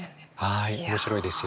はい面白いですよね。